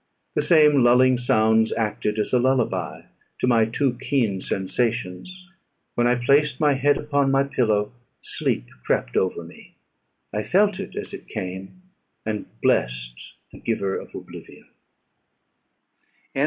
The same lulling sounds acted as a lullaby to my too keen sensations: when I placed my head upon my pillow, sleep crept over me; I felt it as it came, and blest the giver of oblivion.